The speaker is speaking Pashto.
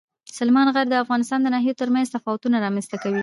سلیمان غر د افغانستان د ناحیو ترمنځ تفاوتونه رامنځته کوي.